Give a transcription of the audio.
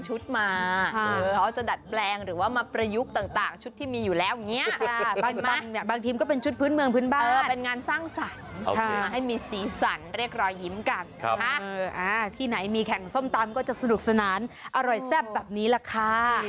เขาจะดัดแปลงหรือว่ามาประยุกต์ต่างชุดที่มีอยู่แล้วอย่างนี้บางทีมก็เป็นชุดพื้นเมืองพื้นบ้านเป็นงานสร้างสรรค์มาให้มีสีสันเรียกรอยยิ้มกันที่ไหนมีแข่งส้มตำก็จะสนุกสนานอร่อยแซ่บแบบนี้แหละค่ะ